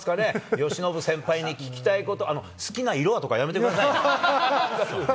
由伸先輩に聞きたいこと、好きな色はとかやめてくださいね。